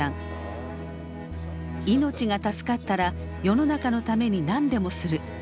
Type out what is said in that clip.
「命が助かったら世の中のために何でもする」。